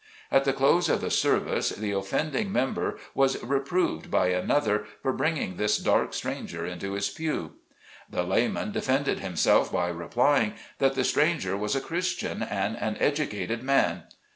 At the close of the service the offending member was reproved by another for bringing this dark stranger into his pew. The layman defended him self by replying that the stranger was a Christian and an educated man.